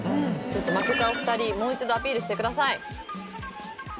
ちょっと負けたお二人もう一度アピールしてください